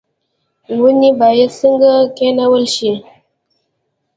ونې باید څنګه کینول شي؟